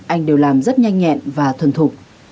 anh đều làm rất nhanh nhẹn và thuần thụ